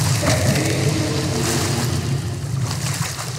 Iɛedda yagi wayyur.